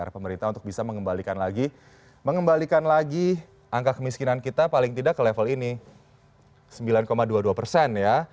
pemerintah untuk bisa mengembalikan lagi angka kemiskinan kita paling tidak ke level ini sembilan dua puluh dua persen ya